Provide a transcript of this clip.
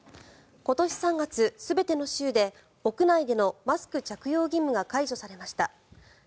今年３月、全ての州で屋内でのマスク着用義務が解除されました。